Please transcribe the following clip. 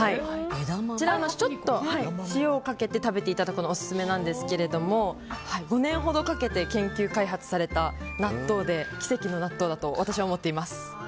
こちら、ちょっと塩をかけて食べていただくのがオススメなんですけれども５年ほどかけて研究開発された納豆で奇跡の納豆だと私は思っています。